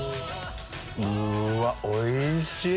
うわっおいしい！